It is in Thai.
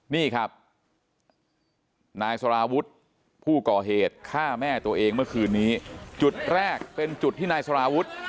นี่ครับนายสารวุฒิผู้ก่อเหตุฆ่าแม่ตัวเองเมื่อคืนนี้จุดแรกเป็นจุดที่นายสารวุฒิ